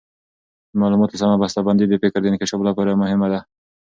د معلوماتو سمه بسته بندي د فکر د انکشاف لپاره مهمه ده.